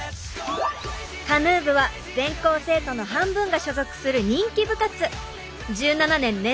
カヌー部は全校生徒の半分が所属する人気部活。